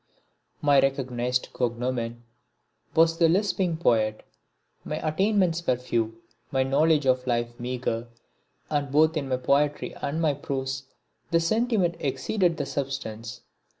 My recognised cognomen was the Lisping Poet. My attainments were few, my knowledge of life meagre, and both in my poetry and my prose the sentiment exceeded the substance.